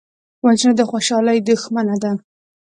وژنه د خوشحالۍ دښمنه ده